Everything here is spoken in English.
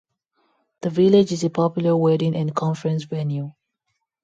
The village is a popular wedding and conference venue.